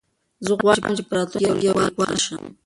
زه غواړم چې په راتلونکي کې یو لیکوال شم.